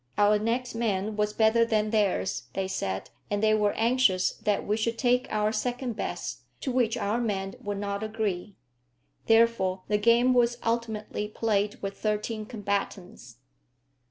Our next man was better than theirs, they said, and they were anxious that we should take our second best, to which our men would not agree. Therefore the game was ultimately played with thirty combatants.